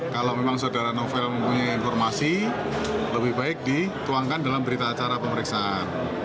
kalau memang saudara novel mempunyai informasi lebih baik dituangkan dalam berita acara pemeriksaan